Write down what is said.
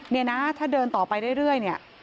เนี่ยนะถ้าเดินต่อไปเรื่อยเนี่ย